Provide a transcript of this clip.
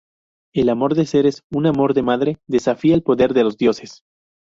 El amor de Ceres —un amor de madre— desafía el poder de los dioses.